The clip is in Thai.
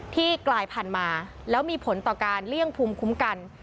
กลายพันธุ์มาแล้วมีผลต่อการเลี่ยงภูมิคุ้มกัน